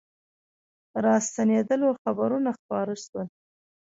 راستنېدلو خبرونه خپاره سول.